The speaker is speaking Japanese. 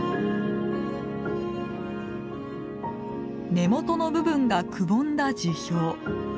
根元の部分がくぼんだ樹氷。